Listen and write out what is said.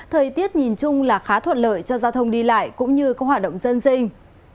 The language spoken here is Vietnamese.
thời tiết nhìn chung là khá thuận lợi cho giao thông đi lại cũng như các hoạt động dân sinh